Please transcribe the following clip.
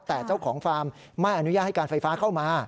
แต่เจ้าของฟาร์มไม่อนุญาตให้การไฟฟ้าเข้ามา